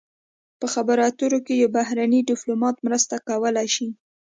په خبرو اترو کې یو بهرنی ډیپلومات مرسته کولی شي